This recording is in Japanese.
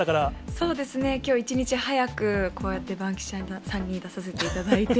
そうですね、きょう一日早くこうやってバンキシャさんに出させていただいて。